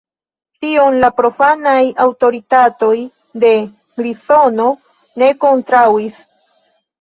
Tion la profanaj aŭtoritatoj de Grizono ne kontraŭis.